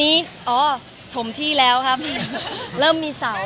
มีปิดฟงปิดไฟแล้วถือเค้กขึ้นมา